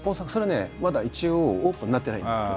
それはねまだ一応オープンになってない。